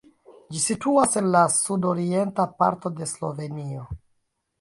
Ĝi situas en la sudorienta parto de Slovenio.